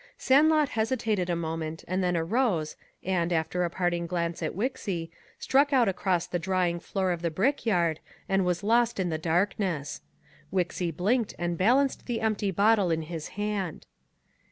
Sandlot hesitated a moment and then arose and, after a parting glance at Wixy, struck out across the drying floor of the brick yard, and was lost in the darkness. Wixy blinked and balanced the empty bottle in his hand.